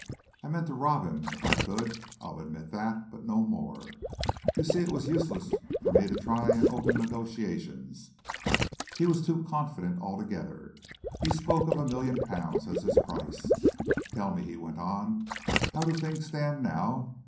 I meant to rob him if I could I'll admit that but no more. You see it was useless for me to try and open negotiations. He was too confident altogether. He spoke of a million pounds as his price. Tell me," he went on, "how do things stand now?